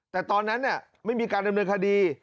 แต่ตอนนั้นไม่มีการดำเนินคดี